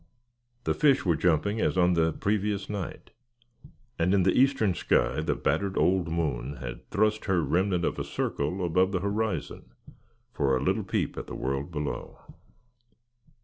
The fish were jumping as on the previous night; and in the eastern sky the battered old moon had thrust her remnant of a circle above the horizon for a little peep at the world below.